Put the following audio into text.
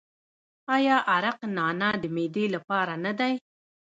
آیا عرق نعنا د معدې لپاره نه دی؟